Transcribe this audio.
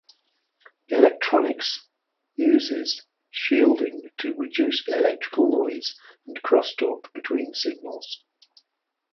Electronics uses shielding to reduce electrical noise and crosstalk between signals.